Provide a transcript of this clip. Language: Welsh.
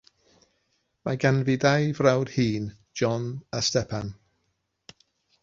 Mae ganddi ddau frawd hŷn: John a Stephen.